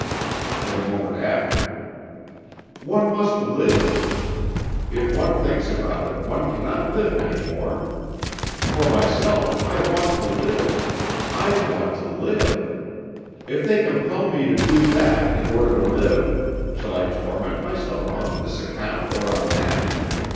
And a moment after: "One must live.... If one thinks about it, one cannot live any more. For myself I want to live, I want to live. If they compel me to do that in order to live, shall I torment myself on this account or on that?